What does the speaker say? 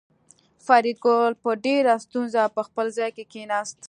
فریدګل په ډېره ستونزه په خپل ځای کې کېناست